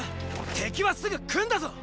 敵はすぐ来んだぞ！